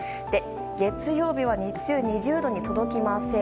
月曜日は日中、２０度に届きません。